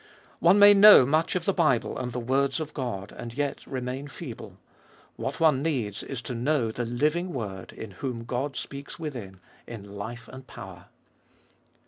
2. One may know much of the Bible and the words of God, and yet remain feeble. What one needs is to know the living Word, in whom God speaks within, in life and power.